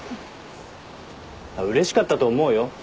うれしかったと思うよ。